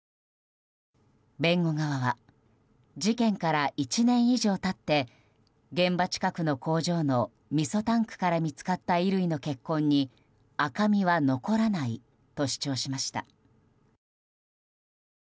弁護側は事件から１年以上経って現場近くの工場のみそタンクから見つかった衣類の血痕に赤みは残らないと主張しました。